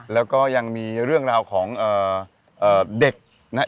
แล้วก็ยังมีเรื่องราวของเด็กนะครับ